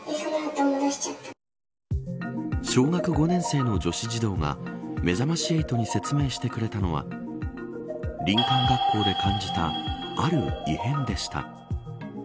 小学５年生の女子児童がめざまし８に説明してくれたのは林間学校で感じたある異変でした。